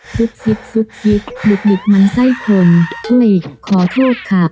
สุดสุดสุดสุดหลุดหลุดมันไส้คนเฮ้ยขอโทษค่ะ